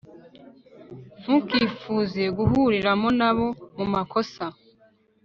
Ntukifuze guhuriramo nabo mumakosa